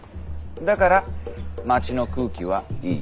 だから町の空気は良い。